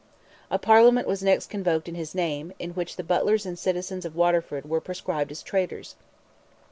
A Parliament was next convoked in his name, in which the Butlers and citizens of Waterford were proscribed as traitors.